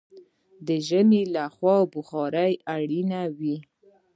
د ژمي له خوا بخارۍ اړینه وي.